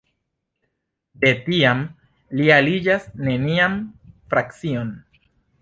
De tiam li aliĝas nenian frakcion.